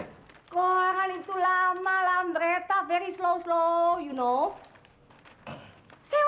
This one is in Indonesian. koran itu lama lambretta